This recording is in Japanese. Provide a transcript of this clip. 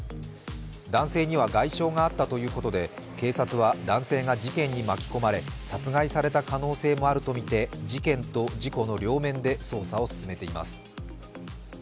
男性には外傷があったということで警察は男性が事件に巻き込まれ殺害された可能性もあるとみて事件と事故の両面で捜査を進めています。